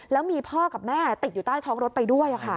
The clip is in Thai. แล้วมีพ่อกับแม่ติดอยู่ใต้ท้องรถไปด้วย